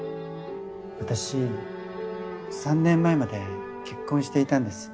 私３年前まで結婚していたんです。